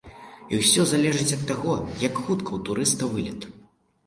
І ўсё залежыць ад таго, як хутка ў турыста вылет.